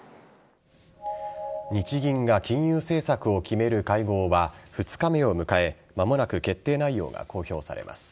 日銀が金融政策を決める会合は２日目を迎え間もなく決定内容が公表されます。